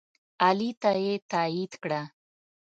علي ته یې تایید کړه.